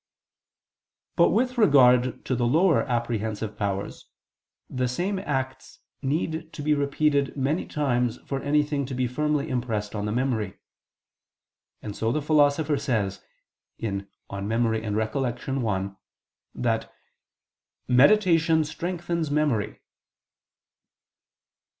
But with regard to the lower apprehensive powers, the same acts need to be repeated many times for anything to be firmly impressed on the memory. And so the Philosopher says (De Memor. et Remin. 1) that "meditation strengthens memory."